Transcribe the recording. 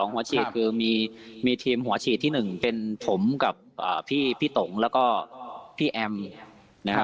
หัวฉีดคือมีทีมหัวฉีดที่๑เป็นผมกับพี่ตงแล้วก็พี่แอมนะครับ